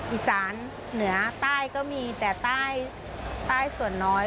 อีสานเหนือใต้ก็มีแต่ใต้ส่วนน้อย